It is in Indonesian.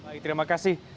baik terima kasih